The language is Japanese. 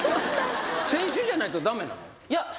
選手じゃないと駄目なの？